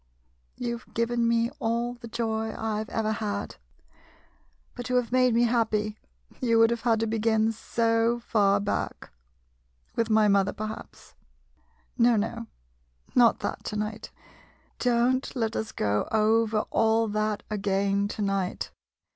You 've given me all the joy I Ve ever had— but to have made MODERN MONOLOGUES me happy — you would have had to begin so far back — with my mother, perhaps. No — no — not that to night — don't let us go over all that again to night.